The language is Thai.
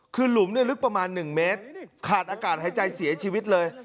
คือหลุมลึกประมาณ๑เมตรขาดอากาศหายใจเสียชีวิตเลย